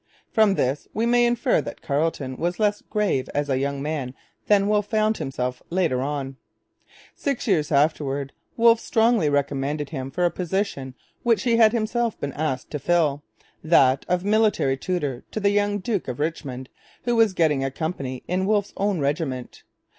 From this we may infer that Carleton was less 'grave' as a young man than Wolfe found him later on. Six years afterwards Wolfe strongly recommended him for a position which he had himself been asked to fill, that of military tutor to the young Duke of Richmond, who was to get a company in Wolfe's own regiment.